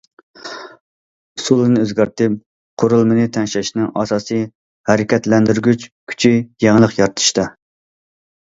ئۇسۇلنى ئۆزگەرتىپ، قۇرۇلمىنى تەڭشەشنىڭ ئاساسىي ھەرىكەتلەندۈرگۈچ كۈچى يېڭىلىق يارىتىشتا.